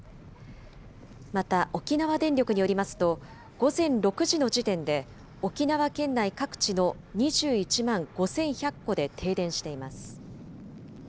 また、沖縄電力によりますと、午前６時の時点で沖縄県内各地の２１万５１００戸で停電しています。